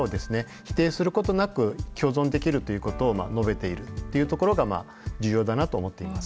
否定することなく共存できるということを述べているというところが重要だなと思っています。